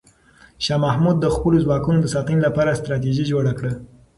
شاه محمود د خپلو ځواکونو د ساتنې لپاره ستراتیژي جوړه کړه.